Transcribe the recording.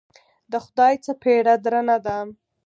د خدای څپېړه درنه ده.